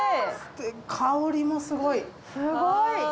香りもすごい。